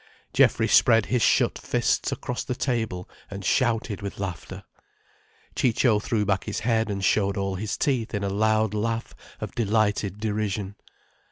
Geoffrey spread his shut fists across the table and shouted with laughter, Ciccio threw back his head and showed all his teeth in a loud laugh of delighted derision.